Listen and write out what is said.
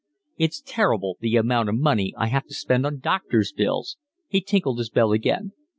"It's terrible, the amount of money I have to spend on doctor's bills." He tinkled his bell again.